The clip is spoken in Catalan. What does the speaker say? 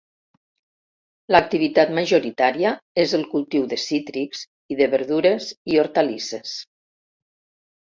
L'activitat majoritària és el cultiu de cítrics i de verdures i hortalisses.